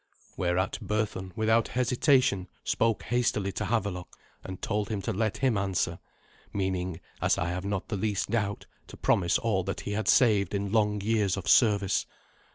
Whereat Berthun, without hesitation, spoke hastily to Havelok, and told him to let him answer, meaning, as I have not the least doubt, to promise all that he had saved in long years of service.